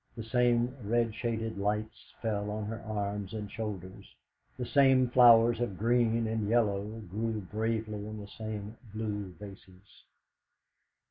The same red shaded lights fell on her arms and shoulders, the same flowers of green and yellow grew bravely in the same blue vases.